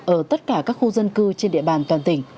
ở tất cả các khu dân cư trên địa bàn toàn tỉnh